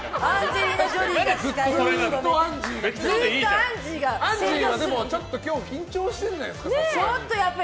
アンジーは今日緊張してるんじゃないですか？